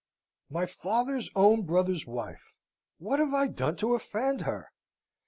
"My father's own brother's wife! What have I done to offend her?